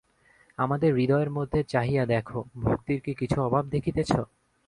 আমাদের হৃদয়ের মধ্যে চাহিয়া দেখো, ভক্তির কি কিছু অভাব দেখিতেছ?